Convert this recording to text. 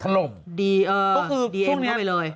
ตอนนี้ดิแอมเข้าไปเลย